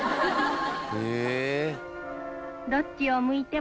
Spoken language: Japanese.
へえ！